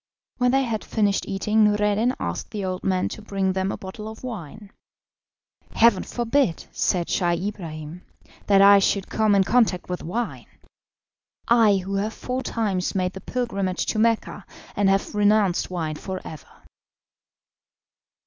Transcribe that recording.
When they had finished eating Noureddin asked the old man to bring them a bottle of wine. "Heaven forbid," said Scheih Ibrahim, "that I should come in contact with wine! I who have four times made the pilgrimage to Mecca, and have renounced wine for ever."